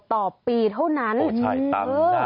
ต่อปีเท่านั้น